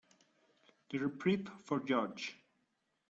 The reprieve for George.